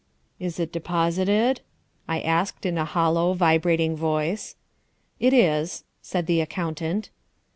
"Is it deposited?" I asked in a hollow, vibrating voice. "It is," said the accountant.